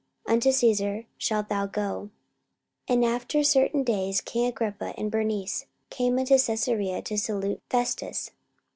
unto Caesar shalt thou go. 44:025:013 And after certain days king Agrippa and Bernice came unto Caesarea to salute Festus.